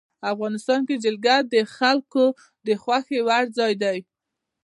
افغانستان کې جلګه د خلکو د خوښې وړ ځای دی.